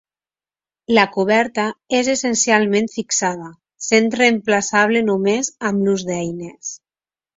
La coberta és essencialment fixada, sent reemplaçable només amb l'ús d'eines.